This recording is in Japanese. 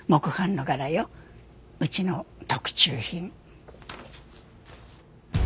うちの特注品。